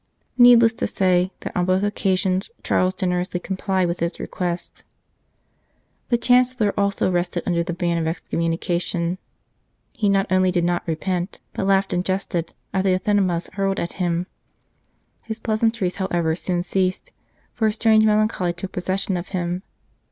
Needless to say that on both occasions Charles generously complied with his request. The Chancellor also rested under the ban of excommunication. He not only did not repent, but laughed and jested at the anathemas hurled at him. His pleasantries, however, soon ceased, for a strange melancholy took possession of him.